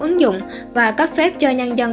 ứng dụng và cấp phép cho nhân dân